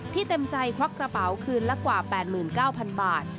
เต็มใจควักกระเป๋าคืนละกว่า๘๙๐๐บาท